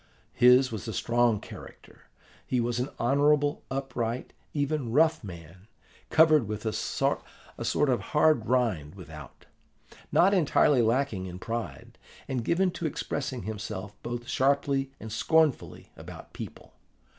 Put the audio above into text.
His was a strong character: he was an honourable, upright, even rough man, covered with a sort of hard rind without, not entirely lacking in pride, and given to expressing himself both sharply and scornfully about people.